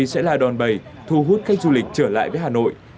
hà nội sẽ là đòn bày thu hút khách du lịch trở lại với hà nội